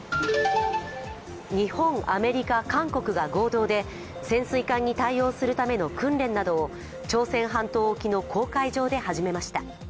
日本・アメリカ・韓国が合同で、潜水艦に対応するための訓練などを朝鮮半島沖の公海上で始めました。